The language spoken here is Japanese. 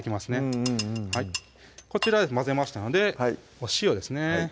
うんうんこちら混ぜましたのでお塩ですね